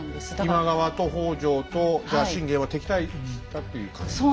今川と北条とじゃあ信玄は敵対したっていう感じですか？